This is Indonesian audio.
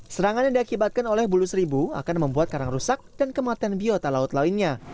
serangan yang diakibatkan oleh bulu seribu akan membuat karang rusak dan kematian biota laut lainnya